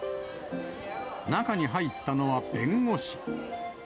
中に入ったのは弁護士。